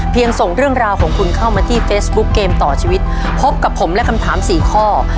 ส่งเรื่องราวของคุณเข้ามาที่เฟซบุ๊คเกมต่อชีวิตพบกับผมและคำถามสี่ข้อ